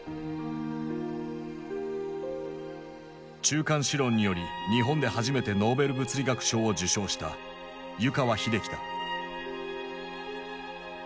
中間子論により日本で初めてノーベル物理学賞を受賞した湯川秀樹だ。